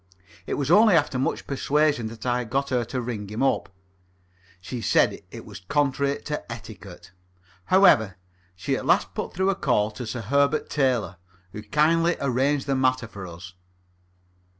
It was only after much persuasion that I got her to ring him up; she said it was contrary to etiquette. However, she at last put through a call to Sir Herbert Taylor, who kindly arranged the matter for us.